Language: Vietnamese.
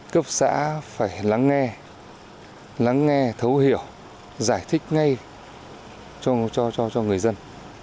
cấp xã phải lắng nghe lắng nghe thấu hiểu giải thích ngay cho người dân